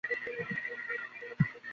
তিনি সমর্থন দেন।